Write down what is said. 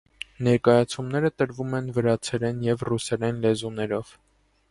Ներկայացումները տրվում են վրացերեն և ռուսերեն լեզուներով։